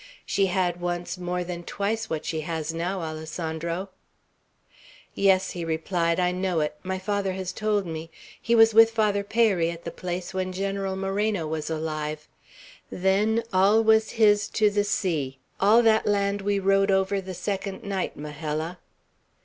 She had once more than twice what she has now, Alessandro." "Yes," he replied; "I know it. My father has told me. He was with Father Peyri at the place, when General Moreno was alive. Then all was his to the sea, all that land we rode over the second night, Majella."